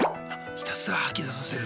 ひたすら吐き出させる。